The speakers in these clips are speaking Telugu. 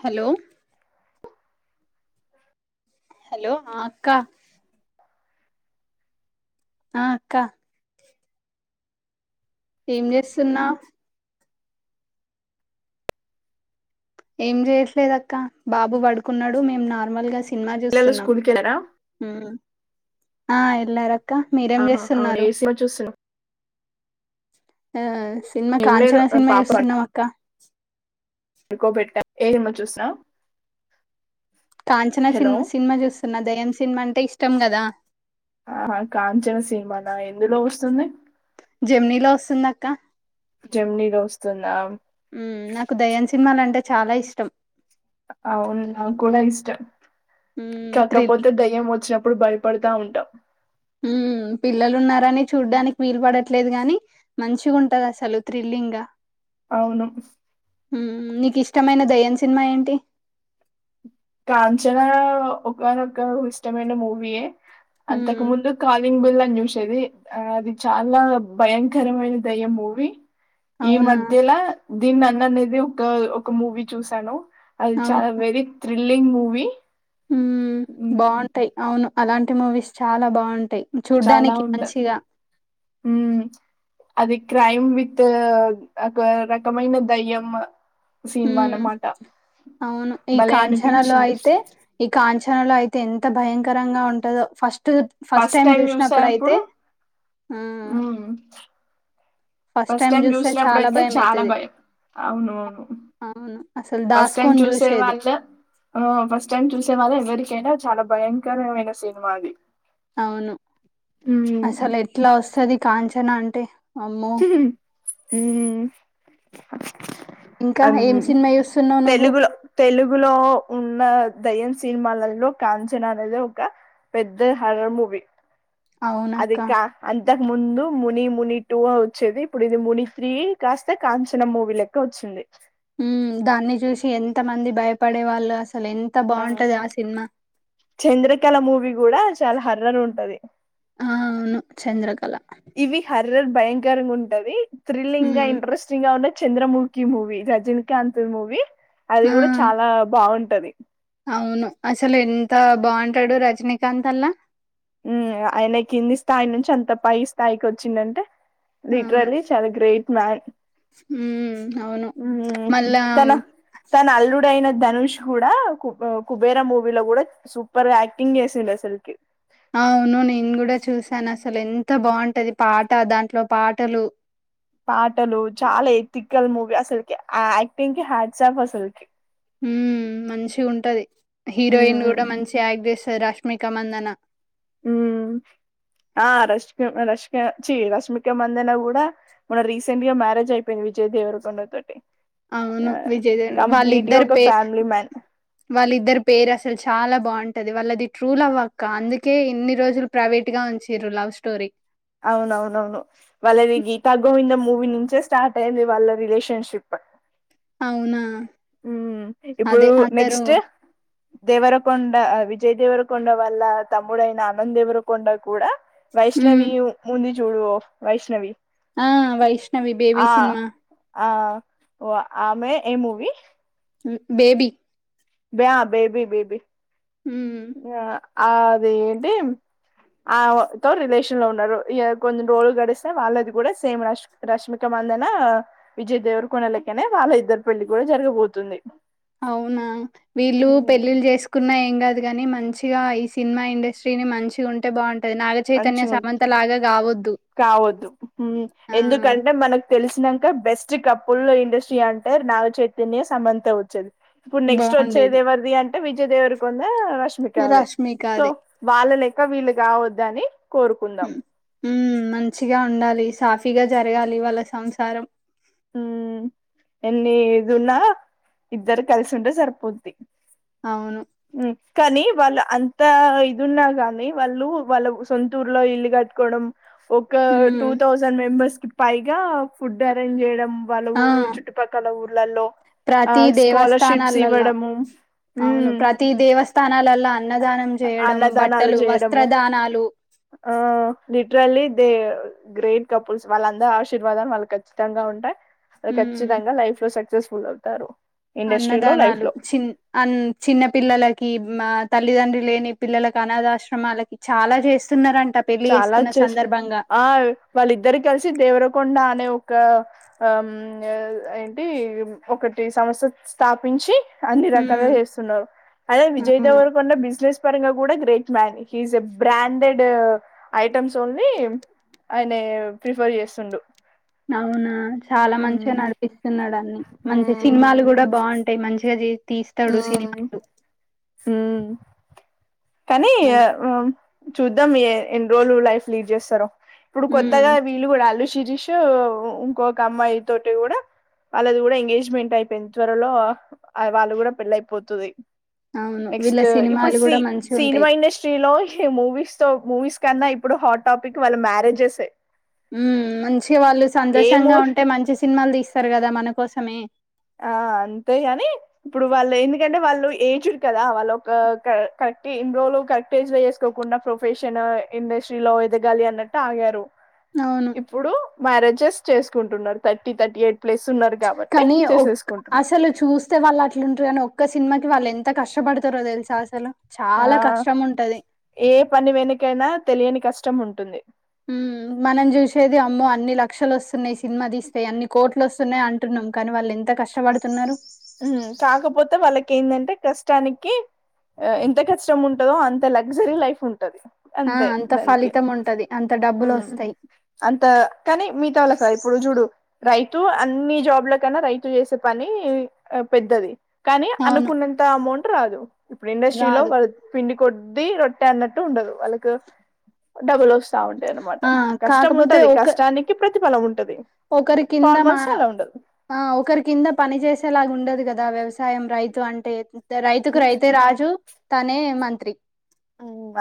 హలో హలో ఆ అక్క ఆ అక్క ఏం చేస్తున్నావ్ ఏం చేయట్లేదక్క బాబు పడుకున్నాడు మేం నార్మల్ గా సి సినిమా పిల్లలు చూస్తున్నాం స్కూల్ కి వెళ్ళారా హ్మ్ అ ఎల్లార క్క మీరేం ఆహా అవును ఏ చేస్తున్నారు సినిమా చూస్తున్నావ్ ఆ సినిమా ఏం లేదు కాంచన సినిమా చూస్తున్నాం అక్క పడుకోబెట్టా ఏ మూవీ చూసావ్ కాంచన సినిమా చూస్తున్న దెయ్యం సినిమా అంటే ఇష్టం కదా ఆహా కాంచన సినిమాన ఎందులో వస్తుంది జమినీలో వస్తుంది అక్క జమినీలో వస్తుందా నాకు దయ్యం సినిమాలు అంటే చాలా ఇష్టం అవును నాకు కూడా ఇష్టం మ్ థ్రిల్ కాకపోతే దయ్యం వచ్చినప్పుడు అప్పుడు భయపడతా ఉంటాం ఉ ఉ పిల్లలు ఉన్నారని చూడ్డానికి వీలు పడట్లేదు గాని మంచిగా ఉంటది అసలు థ్రిల్లింగ్ గా అవును ఉ నీకు ఇష్టమైన దయ్యం సినిమా ఏంటి కాంచనా ఒక్కనొక్క ఇష్టమైన మూవీ ఎ అంతక మ్ ముందు కాలింగ్ బెల్ అని చూసిన వచ్చేది ఆ అది చాలా భయంకరమైన దయ్యం మూవీ ఈ అవునా మధ్యల దీ నన్ అనేది ఒక ఒక మూవీ చూశాను అది చాలా వెరీ థ్రిల్లింగ్ మూవీ ఉ హ్మ్. బావుంటాయి అవును అలాంటి మూవీస్ చాలా బాగు అంటయి చాలా చూడ్డానికి ఉంట మంచిగా హ్మ్. [inaudible] అది క్రైమ్ విత్ ఒక రకమైన దయ్యం ఉ సినిమా అన్నమాట. అవును ఈ భలే కాంచనాలో అనిపించింది. అయితే ఈ కాంచనా నలో అయితే ఎంత భయంకరంగా ఉంటుందో ఫస్ట్ ఫస్ట ఫస్ట్ టైమ్ చూసినప్పుడు అయితే హ్మ్. ఫస్ట్ టైమ్ చూస్తే చాలా చూసినప్పుడైతే భయం చాలా అయితాది భయం. అవునవును. ఫస్ట్ టైం చూసే జూసేది. వాళ్ళ ఫస్ట్ టైం చూసే వాళ్ళ ఎవరు ఇకైనా చాలా భయంకరమైన సినిమా అది అవును హ్మ్. అసలు ఎట్లా వస్తాది కాంచనా అంటే అమ్మో! ఉమ్ ఇంకా అం ఏం సినిమా జూస్తున్నావు నువ్వు? తెలుగులో తెలుగులో ఉన్న దయ్యం సినిమాలలో కాంచనా అనేది ఒక పెద్ద హరర్ మూవీ అవునక్క. అదిక అంత ఇంతకు ముందు ముని ముని టూ వచ్చేది ఇప్పుడు ఇది ముని త్రీ కాస్త కాంచనా మూవీ లెక్క వచ్చింది ఉ దాన్ని చూసి ఎంత మంది భయపడే వాళ్ళు అసలు ఎంత ఆ బావుంటది సినిమా. చంద్రకళ మూవీ కూడా చాలా హర్రర్ ఉంటాది ఆ అవును చంద్రకళ. ఇవి హారర్ భయంకరంగా ఉంటాది థ్రిల్లింగ్ గా హ్మ్. ఇంట్రెస్టింగ్ గానే. చంద్రమూఖి మూవీ రజనీకాంత్ మూవీ అది ఆ! కూడా చాలా బాగుంటాది. అవును అసలు ఎంత బాగుంటాడు రజనీకాంత్ అన్న హ్మ్ ఆయన కింది స్థాయి నుంచి అంత పై స్థాయికి వచ్చిందంటే. అవును. లిట్రాలీ చాలా గ్రేట్ మ్యాన్. హ్మ్. అవును. హ్మ్ మళ్ళా తన తన అల్లుడు అయిన. ధనుష్ కూడా కు కుబేర మూవీలో కూడా సూపర్ గా యాక్టింగ్ చేసిండు అసలుకి. అవును నేను కూడా చూసాను అసలు ఎంత బాగుంటాది పాట దాంట్లో పాటలు. పాటలు చాలా ఎతికల్ మూవీ అసలకి యాక్టింగ్ కి హ్యాట్సాప్ అసలుకి. హూ మంచి ఉంటాది హీరోయిన్ మ్మ్ కూడా మంచి యాక్ట్ చేస్తాది రష్మిక మందన. హ్మ్. ఆ రష్ రష్ చీ రష్మిక మందన కూడా మన రీసెంట్ గా మ్యారేజ్ అయిపోయింది. విజయ్ దేవరుకొండ తోటి. అవును ఆ విజయ్ కంప్లీట్ గా వాళ్ళిద్దరి ఒక పే. ఫ్యామిలీ మ్యాన్ వాళ్ళిద్దరు పెయిర్ అసలు చాలా బాగుంటా. ది వాళ్ళది ట్రూ లవ్ అక్క అందుకే ఇన్ని రోజులు ప్రైవేట్ గా ఉంచిరు లవ్ స్టోరీ. అవును అవును అవును వాళ్ళది గీతా గోవింద మూవీ నుంచే స్టార్ట్ అయింది వాళ్ళ రిలేషన్ షిప్. అవున. హ్మ్ ఇప్పుడు నెక్స్ట్ దేవరకొండ విజయదేవర కొండ వల్ల తమ్ముడైన ఆనంద దేవరి కొండ కూడా హ్మ్. వైష్ణవి ఉం ది జూడు వైష్ణవి ఆ వైష్ణవి బేబీ సినిమా ఓ ఆమె ఏ మూవీ బేబీ బా బేబీ బేబీ హ్మ్. అది ఏంటి ఆ తో రిలేషన్ లో ఉన్నారు ఇ కొన్ని రోల్లు గడిస్తే వాళ్ళది కూడా సేమ్ రష్ రష్మిక మందన విజయ్ దేవర్ కొన లెక్కనే వాళ్ళ ఇద్దరు పెళ్లి కూడా జరగబోతుంది. అవున వీళ్ళు పెళ్ళిళ్ళు చేసుకున్నా ఏం కాదు కాగాని మంచిగా ఈ సినిమా ఇండస్ట్రీని మంచిగా ఉంటే బాగుంటాది నాగ చైతన్య సమంత లాగా గావొద్దు. కావదు ఆ! ఎందుకంటే మనకు తెలిసినాక బెస్ట్. కపుల్ ఇండస్ట్రీ అంటే నాగ చైతన్యం సమంత వచ్చేది. ఇప్పుడు నెక్స్ట్ వచ్చేది బావుండేది. ఎవరిది అంటే విజయ దేవరికొండ రష్మిక దే సో 'రష్మిక'ది. వాళ్ళ లెక్క వీళ్ళు కావద్దని కోరుకుందాం హ్మ్ మంచిగా ఉండాలి సాఫీగా జరగాలి వాళ్ళ సంసారం హ్మ్ ఎన్నిది ఉన్నా ఇద్దరు కలిసి ఉంటే సరిపోద్ది. అవును. కానీ వాళ్ళు అంత ఇదిన్నా కాని వాళ్ళు వాళ్ళ సొంతూర్లో ఇల్లు కట్టుకోవడం ఒక టూ హ్మ్. థౌసండ్ మెంబెర్స్ కి పైగా ఫుడ్ అరేంజ్ చేయడం వాళ్ళ ఆ ఊరు చుట్టుపక్కల ఊర్లలో ఆ ప్రతి స్కాలర్ షిప్స్ దేవస్థానాలల్ల ఇవ్వడము అవును ఉమ్ ప్రతి దేవస్థానాలల్లో అన్నదానం చేయడం అన్నదానాలు బట్టలు చేయడము వస్త్రదానాలు. ఆ లిటరల్లీ దే గ్రేట్ కపుల్స్ వాళ్ళందరి ఆశీర్వాదాలు వాళ్ళు ఖచ్చితంగా ఉంటాయి మ్మ్ ఖచ్చితంగా లైఫ్ లో సక్సెస్ ఫుల్ అవుతారు. ఇండస్ట్రీలో లైఫ్ అన్నదానాలు లో చిన్ అన్ చిన్న పిల్లలకి. మా తల్లిదండ్ర్రి లేని పిల్లలలకు అనాథాశ్రమాలకి చాలా చేస్ చాలా వచ్చేసారు ఆ వాళ్ళిద్దరి కలిసి దేవరకొండ అనే ఒక ఆ ఏంటి ఒకటి సంస్థ స్థాపించి అన్ని రకాలుగా మ్మ్ చేస్తున్నారు అదే విజయ్ అవును దొరకుండ బిజినెస్ పరంగా కూడా great man he is a branded items only ఆయన ప్రిఫర్ చేస్తుండు అవునా చాలా మ్మ్ మంచిగా నడిపిస్తున్నాడు మంచి మ్మ్ సినిమాలు కూడా బాగుంటాయి మంచిగా తీస్తాడు మ్మ్ సినిమాలు కానీ ఈ మంచి ఆ చూద్దాం ఎన్రోల్ లైఫ్ లీడ్ చేస్తారో ఇప్పుడు మ్మ్ కొత్తగా వీళ్ళు కూడా శిరీషూ ఇంకొక అమ్మాయి తోటి కూడా వాళ్ళది కూడా ఎంగేజ్మెంట్ అయిపోయింది త్వరలో వాళ్ళు కూడా పెళ్ళయిపోతుది అవును వీళ్ళ నెక్స్ట్ ఇప్పుడు సినిమాలు సి కూడా మంచిగుంటాయి సినిమా ఇండస్ట్రీలో మూవీస్ తో మూవీస్ కన్నా ఇప్పుడు హాట్ టాపిక్ వాళ్ళ మ్యారేజెస్ ఏ ఉ మంచి వాళ్ళు సంతోషంగా మూవీ ఉంటే మంచి సినిమాలు తీస్తారు కదా మన కోసమే ఆ అంతేగాని ఇప్పుడు వాళ్ళు ఎందుకంటే వాళ్ళు ఏజ్డ్ కదా వాళ్ళ ఒక ఇన్ రోజులు కరెక్టేజ్సుకోకుండా ప్రొఫెషన్ ఇండస్ట్రీలో ఎదగాలి అన్నట్టు ఆగారు అవును. ఇప్పుడు మ్యారేజెస్ చేసుకుంటున్నారు థర్టీ థర్టీ ఎయిట్ ప్లేస్ ఉన్నారు కాబట్టి కానీ చేసేసుకుంటున్నారు అసలు చూస్తే వాళ్ళు అట్లుంటారు కాని ఒక్క సినిమాకి వాళ్ళు ఎంత కష్టపడతారో తెలుసా అసలు ఆ చాలా కష్టం ఉంటది. ఏ పని వెనకైనా తెలియని కష్టం ఉంటుంది మనం చూసేది అమ్మో అన్ని లక్షలు వస్తున్నాయి సినిమా తీస్తేయి అన్ని కోట్లు వస్తున్నాయంటున్నాం కానీ వాళ్ళు ఎంత కష్టపడుతున్నారు. ఉమ్ కాకపోతే వాళ్ళకి ఏందంటే కష్టానికి ఎంత కష్టం ఉంటందో అంత లగ్జరీ లైఫ్ ఉంటంది ఆ! అంతే అంత దానికి ఫలితం ఉంటది. అంత డబ్బులొస్తాయి. అంత కానీ మిగతా వాళ్ళ క ఇప్పుడు రోజుడు రైతు అన్ని జాబ్ల కన్నా రైతు చేసే పని పెద్దది కానీ అవును. అనుకున్నంత అమౌంట్ రాదు ఇప్పుడు ఇండస్ట్రీలో రాదు. వాళ్ళ పిండి కొ రొట్ట అన్నట్టు ఉండదు వాళ్ళకి డబుల్ వస్తు ా ఉంటా అనమాట ఆ! కష్టం కాకపోతే ఉంటది ఒక కష్టానికి ప్రతిఫలం ఉంటు ఒకరి కింద మా ఆ ఒకరి కింద పని చేసేలాగా ఉండదు కదా వ్యవసాయం రైతు అంటే రైతుకు రైతే రాజు తనే మంత్రి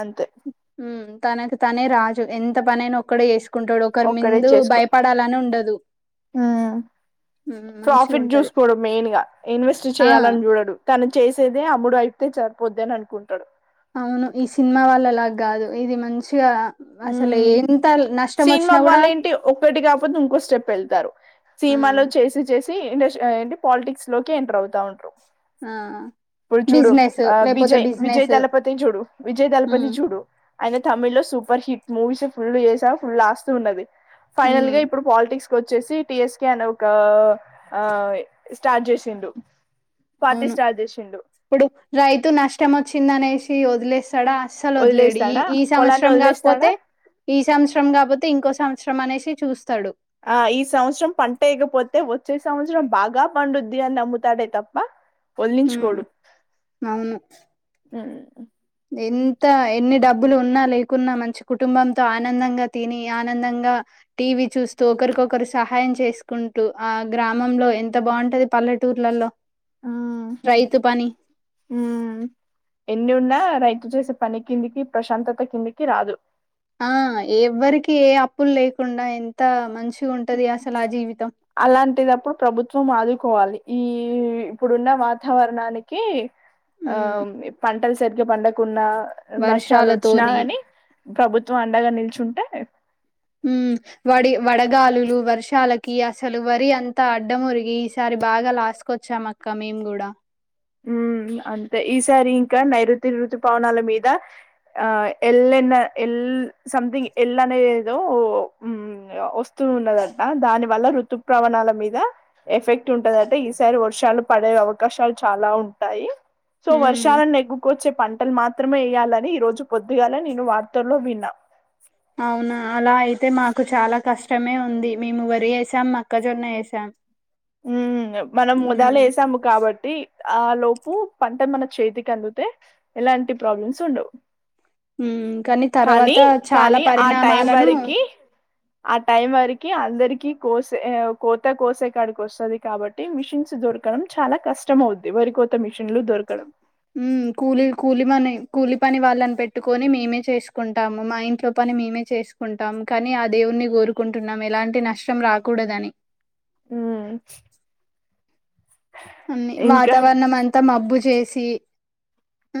అంతే ఉమ్ తనకు తనే రాజు ఎంత పనైనా ఒక్కడే వేసుకుంటాడు ఒకరి ముందు భయపడాలని ఉంట ఆ ఉమ్, మంచిగా ప్రాఫిట్ ఉంటది చూసుకోవడం మెయిన్ గా ఇన్వెస్ట్ ఆ చేయాలని చూడడు తను చేసేదే అమ్ముడు అయితే సరిపోద్ది అని అనుకుంటాడు అవును ఈ సినిమా వాళ్ళలాగ కాదు ఇది మంచిగా అసలు ఎంత నష్టం సినిమా వచ్చినా కూడా వాళ్ళ ఏంటి ఒటి కాకపోతే ఇంకో స్టెప్ వెళ్తారు ఆ సినిమాలో చేసి చేసి ఇండ ఏంటి పాలిటిక్స్ లోకి ఎంటర్ అవుతా ఉంట్రారు ఆ ఇప్పుడు చూడు బిజినెస్ ఆ లేకపోతే విజయ్ విజయ్ బిజినెస్ దళపతిని చూడు విజయ్ దళపతి ఉమ్ చూడు ఆయన తమిళ్ లో సూపర్ హిట్ మూీస్ ఫుల్ చే ఫుల్ ఉ ఫైనల్ ఉమ్ గా ఇప్పుడు పాలిటిక్స్ వచ్చేసి టిఎస్క అని ఒక స్టార్ట్ చేసిండు పార్టీ అవును స్టార్ట్ చేసిండు ఇప్పుడు రైతు నష్టం వచ్చిందనేసి వదిలేస్త డ అస్సలు వద్లేడి ఈ వదిలేస్తాడా ఈ పొలాన్ని సంవత్సరం వదిలేస్తాడా కాకపోతే ఈ సంవత్సరం కాకపోతే ఇంకొస్త సంవత్సరం అనేసి చూస్తాడు ఆ ఈ సంవత్సరం పంట వేకపోతే వచ్చే సంవత్సరం బాగా పండుద్ది అని నమ్ముతాడే తప్ప ఉమ్ వదిలించుకోడు అవును ఎంత ఎన్ని డబ్బులు ఉన్నా లేకున్నా మంచి కుటుంబంతో ఆనందంగా తిని ఆనందంగా టీవ చూస్తూ ఒకరికొకరు సహాయం చేసుకుంటూ ఆ గ్రామంలో ఎంత బాగుంటది పల్లెటూరు ఇ ఆ హ ఎన్ని ఉన్నా రైట్ గుర్తు చేసే పని కిందికి ప్రశాంతత కిందికి రాదు ఆ ఎవ్వరికి ఏ అప్పులు లేకుండా ఎంత మంచి ఉంటు అలాంటిటప్పుడు ప్రభుత్వం ఆదుకోవాలి ఈ ఇప్పుడున్న వాతావరణానికి ఆ ఉమ్, పంటలు సరిగగా పండకున్న నష్టాలు వర్షాలతోని వచ్చినాగని ప్రభుత్వం అండగా నిల్చుంటే అ వడి వడగాలులు వర్షాలకి అసలు వరి అంతా అడ్డమురిగి ఈసారి బాగా క్లాస్ కి వచ్చాము అక్క మేము కూడా ఉ అంతే ఈసారి ఇంకా నైరుతి ఋతు పవనాల మీద ఆ ఎల్ ఎల్ సమ్థింగ్ ఎలనేదేదో ఉ వస్తు ఉన్నదట దాని వల్ల రఋతు ప్రవణాల మీద ఎఫెక్ట్ ఉంటదట ఈసారి వర్షాలు పడే అవకాశాలు చాలా ఉంటాయి సో హ్మ్. వర్షాలను నెగుకోచే పంట మాత్రమే వేయాలని ఈ రోజు పొద్దుగాల నేను వార్తల్లో విన్నా అవునా అలా అయితే మాకు చాలా కష్టమే ఉంది మేము వరి వేసాం మక్కజొన్న వేసాం ఉ మనం ఉదాల వేసాము కాబట్టి ఆ లోపు పంట మన చేతికి అందితే ఎలాంటి ప్రాబ్లమ్స్ ఉండవు హ్మ్. తర్వాత కానీ చాలా కానీ ఆ టైం పరిణామాలను వరకి ఆ టైం వరకి అందరికి కోసే కోత కోసే వస్తుంది కాబట్టి మిషన్స్ దొరకడం చాలా కష్టం అవుద్ది వరి కోత మీ కూలీ కూలి మనే కూలీ పని వాళ్ళని పెట్టుకొని మేమే చేసుకుంటాము మా ఇంట్లో పని మేమే చేసుకుంటాం కానీ ఆ దేవుని గు కోరుకుంటున్నాం ఎలాంటి నష్టం రాకూడదని ఉమ్ అన్ని ఇంకా వాతావరణం అంతా మబ్బు చేసి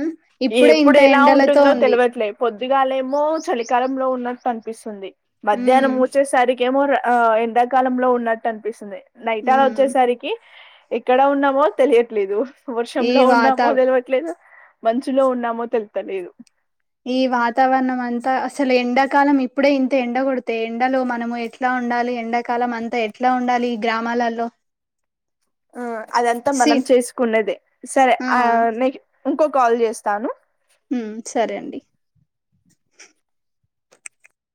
ఆ ఇప్పుడే ఇంత ఎప్పుడు ఎలా ఎండలతో ఉంటుందో ఉంది తేలవట్లే పొద్దుగాల ఏమో చలికాలంలో ఉన్న అనిపిస్తుంది మధ్యాహ్నం ఉమ్ వచ్చేసరికేమో ఆ ఎండాకాలంలో ఉన్నట్టు అనిపిస్తుంది నైట అలా ఉమ్ వచ్చేసరికి ఎక్కడ ఉన్నామో తెలియట్లేదు ఈ వర్షంలో వాత ఉన్నామో తెలవట్లేదు మంచులో ఉన్నామో తెలువట్లేదు ఈ వాతావరణం అంతా అసలు ఎండాకాలం ఇప్పుడే ఇంత ఎండ కొడతే ఎండలో మనము ఎట్లా ఉండాలి ఎండాకాలం అంతా ఎట్లా ఉండాలి ఈ గ్రామాలలో ఆ అదంతా సి మనం చేసుకున్నదే సరే ఆ న ఇంకో కాల్ చేస్తాను ఉమ్ సరే అండి